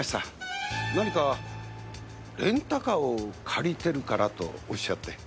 何かレンタカーを借りてるからとおっしゃって。